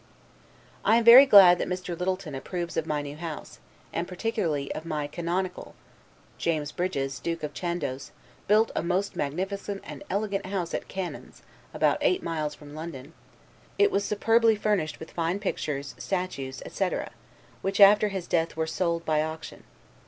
I am very glad that Mr. Lyttelton approves of my new house, and particularly of my CANONICAL [James Brydges, duke of Chandos, built a most magnificent and elegant house at CANNONS, about eight miles from London. It was superbly furnished with fine pictures, statues, etc., which, after his death, were sold, by auction.